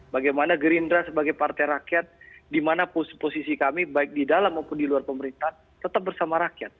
bagaimana gerindra sebagai partai rakyat di mana posisi kami baik di dalam maupun di luar pemerintahan tetap bersama rakyat